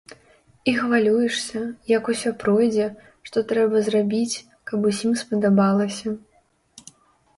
І хвалюешся, як усё пройдзе, што трэба зрабіць, каб усім спадабалася.